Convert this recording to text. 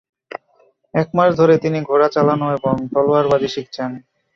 এক মাস ধরে তিনি ঘোড়া চালানো এবং তলোয়ারবাজি শিখছেন।